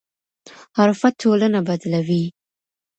حرفه ټولنه بدلوي.